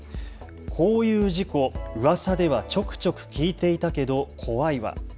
こういう事故、うわさではちょくちょく聞いていたけど怖いわ。